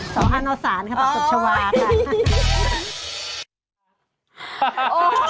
ศาลสวทนโฆษณ์ค่ะผักตบชาวาค่ะ